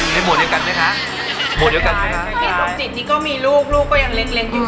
สมจิตนี่ก็มีลูกลูกก็ยังเล็กอยู่